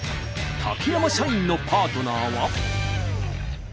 竹山社員のパートナーは。